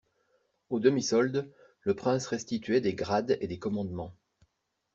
Aux demi-soldes, le prince restituait des grades et des commandements.